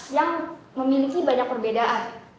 yang memiliki banyak perbedaan